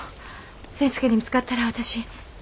千助に見つかったら私。